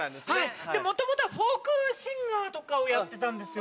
元々はフォークシンガーとかをやってたんですよ。